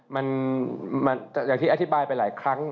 มันอย่างที่อธิบายไปหลายครั้ง